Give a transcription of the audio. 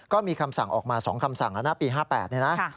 ก็มีคำสั่งออกมาสองคำสั่งศปี๕๘นี้นะ